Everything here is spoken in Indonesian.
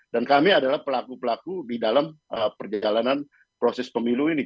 dan kami adalah pelaku pelaku di dalam perjalanan proses pemilu ini